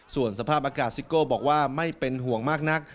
ส่วนสภาพอากาศซิโก้บอกว่าไม่เป็นห่วงมากนัก